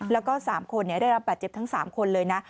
แล้วก็๓คนได้รับบาดเจ็บทั้ง๓คนเลยนะ